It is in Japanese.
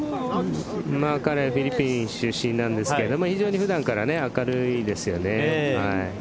彼はフィリピン出身なんですけど普段から非常に明るいですよね。